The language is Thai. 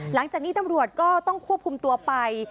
หลังจากนี้ตำรวจก็ต้องควบคุมตัวไป